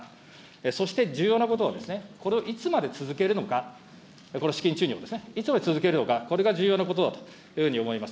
そして重要なことはですね、これをいつまで続けるのか、この資金注入をですね、いつまで続けるのか、これが重要なことだと思います。